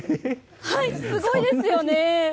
すごいですよね。